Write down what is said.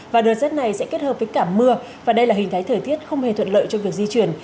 và đợt rét này sẽ kết hợp với cả mưa và đây là hình thái thời tiết không hề thuận lợi cho việc di chuyển